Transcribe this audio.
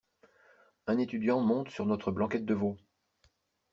Un étudiant monte sur notre blanquette de veau.